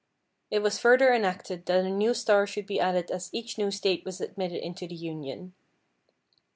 It was further enacted that a new star should be added as each new State was admitted into the Union.